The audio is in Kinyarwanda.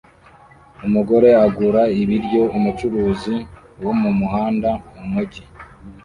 Umugore agura ibiryo umucuruzi wo mumuhanda mumujyi